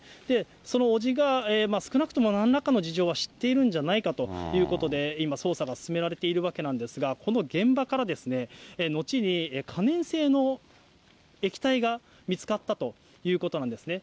その伯父が、少なくともなんらかの事情を知っているんじゃないかということで、今、捜査が進められているわけなんですが、この現場から、後に可燃性の液体が見つかったということなんですね。